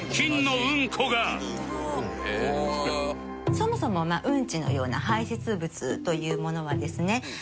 そもそもうんちのような排せつ物というものはですね